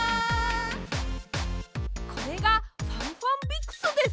これが「ファンファンビクス」です。